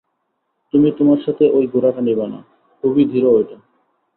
তুমি তোমার সাথে ঐ ঘোড়াটা নিবা না, খুবই ধীর ওটা।